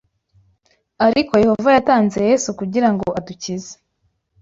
Ariko Yehova yatanze Yesu kugira ngo adukize